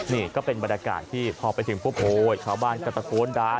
นี่ก็เป็นบรรยากาศที่พอไปถึงปุ๊บโอ้ยชาวบ้านก็ตะโกนด่า